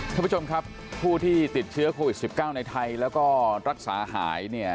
ท่านผู้ชมครับผู้ที่ติดเชื้อโควิด๑๙ในไทยแล้วก็รักษาหายเนี่ย